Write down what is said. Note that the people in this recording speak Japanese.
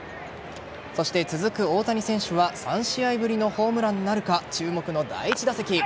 そして、続く大谷選手は３試合ぶりのホームランなるか注目の第１打席。